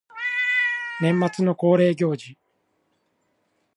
年末の恒例行事